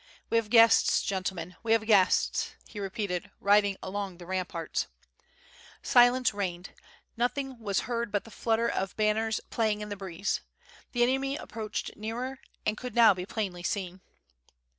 "We have guests, gentlemen, we have guests,'* he repeated, riding along the ramparts. Silence reigned; nothing was heard but the flutter of ban ners playing in the breeze. The enemy approached nearer and couid now be plainly seen.